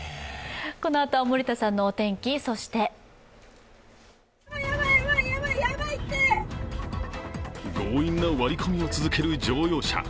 このあとは森田さんのお天気、そして強引な割り込みを続ける乗用車。